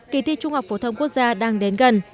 kỳ thi trung học phổ thông quốc gia đang đến gần